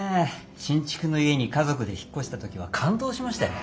新築の家に家族で引っ越した時は感動しましたよ。